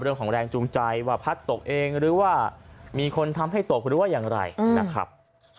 แรงจูงใจว่าพัดตกเองหรือว่ามีคนทำให้ตกหรือว่าอย่างไรนะครับ